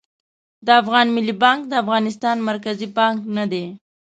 د افغان ملي بانک د افغانستان مرکزي بانک نه دي